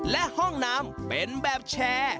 และห้องน้ำเป็นแบบแชร์